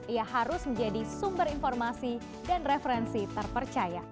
ia harus menjadi sumber informasi dan referensi terpercaya